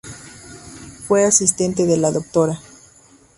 Fue asistente de la Dra.